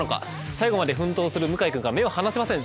最後まで奮闘する向井くんから目が離せません。